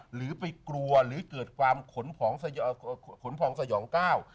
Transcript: หรือไปกลัวหรือเกิดความขนผองขนพองสยองก้าว